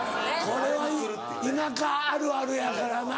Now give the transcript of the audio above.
これは田舎あるあるやからな。